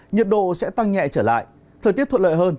nhiệt độ sẽ tăng nhẹ trở lại thời tiết thuận lợi hơn